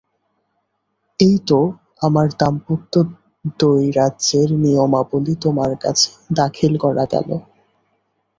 –এই তো আমার দাম্পত্য দ্বৈরাজ্যের নিয়মাবলী তোমার কাছে দাখিল করা গেল।